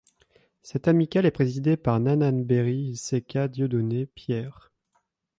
Cette amicale est présidée par Nanan Béri Séka Dieudonné Pierre.